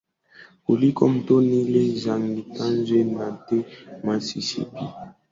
kuliko Mto Nile Yangtze na the Mississippi